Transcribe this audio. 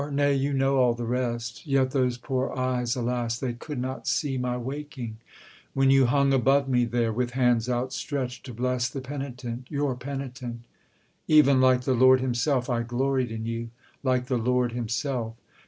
Nay you know all the rest: Yet those poor eyes alas! they could not see My waking, when you hung above me there With hands outstretched to bless the penitent Your penitent even like The Lord Himself I gloried in you! like The Lord Himself!